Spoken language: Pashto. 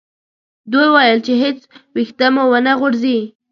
دوی وویل چې هیڅ ویښته مو و نه غورځي.